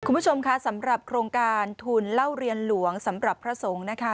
คุณผู้ชมค่ะสำหรับโครงการทุนเล่าเรียนหลวงสำหรับพระสงฆ์นะคะ